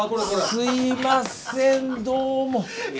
すいませんどうも。